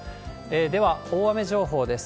では、大雨情報です。